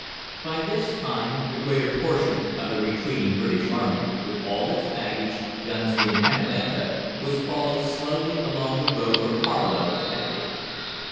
By this time the greater portion of the retreating British Army, with all its baggage, guns and impedimenta, was crawling slowly along the road from Harlow to Epping.